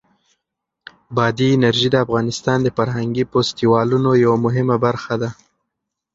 بادي انرژي د افغانستان د فرهنګي فستیوالونو یوه مهمه برخه ده.